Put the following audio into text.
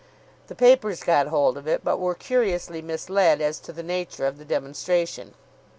The papers got hold of it, but were curiously misled as to the nature of the demonstration.